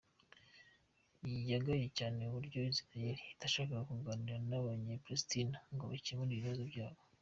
Yagaye cyane uburyo Israel itashakaga kuganira n’abanyePalestina ngo bakemure ikibazo cyabo.